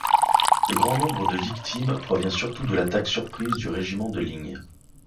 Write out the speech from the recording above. Le grand nombre de victimes provient surtout de l'attaque surprise du Régiment de Ligne.